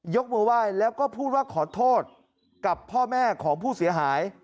ยกมือไหว้แล้วก็พูดว่าขอโทษกับพ่อแม่ของผู้เสียหาย